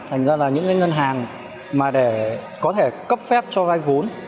thành ra là những cái ngân hàng mà để có thể cấp phép cho vay vốn